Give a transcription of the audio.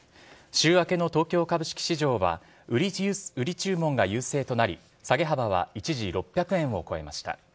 週明けの東京株式市場は、売り注文が優勢となり、下げ幅は一時６００円を超えました。